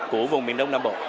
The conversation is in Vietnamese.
của vùng miền đông nam bộ